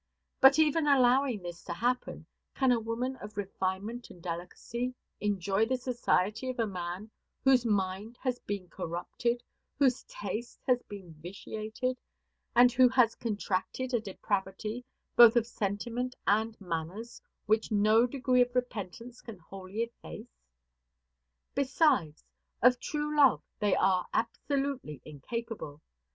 But even allowing this to happen; can a woman of refinement and delicacy enjoy the society of a man whose mind has been corrupted, whose taste has been vitiated, and who has contracted a depravity, both of sentiment and manners, which no degree of repentance can wholly efface? Besides, of true love they are absolutely incapable.